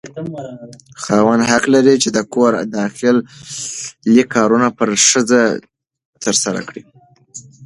خاوند حق لري چې د کور داخلي کارونه پر ښځه ترسره کړي.